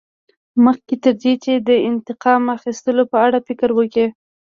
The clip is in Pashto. مخکې تر دې چې د انتقام اخیستلو په اړه فکر وکړې.